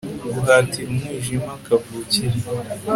Guhatira umwijima kavukire